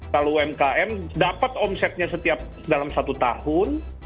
kalau umkm dapat omsetnya setiap dalam satu tahun